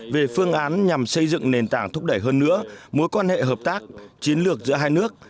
về phương án nhằm xây dựng nền tảng thúc đẩy hơn nữa mối quan hệ hợp tác chiến lược giữa hai nước